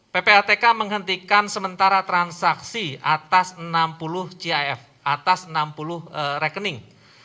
ppatk menghentikan sementara transaksi atas enam puluh gif atas enam puluh rekening